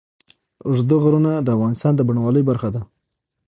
اوږده غرونه د افغانستان د بڼوالۍ برخه ده.